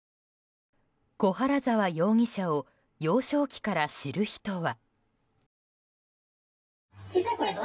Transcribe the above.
小原澤容疑者を幼少期から知る人は。